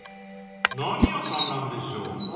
［何屋さんなんでしょう？］